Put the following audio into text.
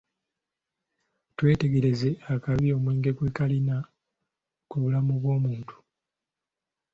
Twetegereze akabi omwenge gwe kalina ku bulamu bw'omuntu.